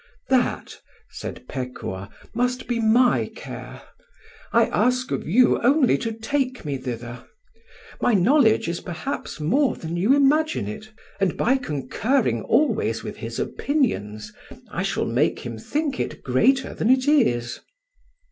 "That," said Pekuah, "must be my care. I ask of you only to take me thither. My knowledge is perhaps more than you imagine it, and by concurring always with his opinions I shall make him think it greater than it is."